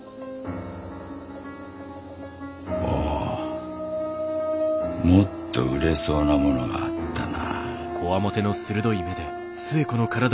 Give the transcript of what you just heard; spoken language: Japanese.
おおもっと売れそうなものがあったな。